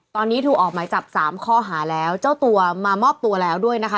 ตอนนี้ถูกออกหมายจับสามข้อหาแล้วเจ้าตัวมามอบตัวแล้วด้วยนะคะ